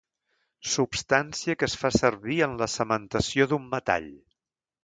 Substància que es fa servir en la cementació d'un metall.